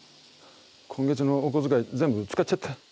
今月のお小遣い全部使っちゃった。